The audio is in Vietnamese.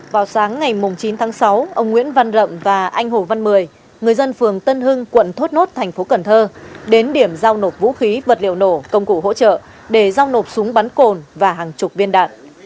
vào sáng ngày chín tháng sáu ông nguyễn văn rậm và anh hồ văn mười người dân phường tân hưng quận thốt nốt thành phố cần thơ đến điểm giao nộp vũ khí vật liệu nổ công cụ hỗ trợ để giao nộp súng bắn cồn và hàng chục viên đạn